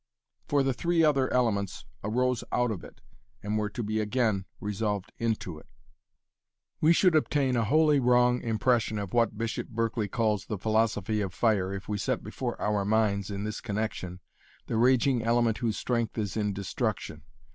For the three other elements arose out of it and were to be again resolved into it. We should obtain a wholly wrong impression of what Bishop Berkeley calls 'the philosophy of fire' if we set before our minds in this connection, the raging element whose strength is in destruction.